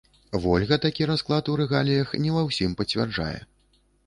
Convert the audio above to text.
Вольга такі расклад у рэгаліях не ва ўсім пацвярджае.